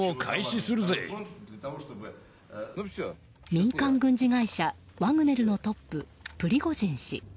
民間軍事会社ワグネルのトッププリゴジン氏。